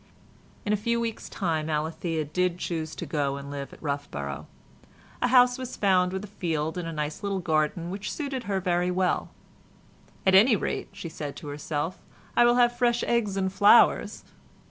In a few weeks' time Alethea did choose to go and live at Roughborough. A house was found with a field and a nice little garden which suited her very well. "At any rate," she said to herself, "I will have fresh eggs and flowers."